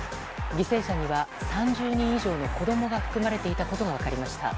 犠牲者には３０人以上の子供が含まれていたことが分かりました。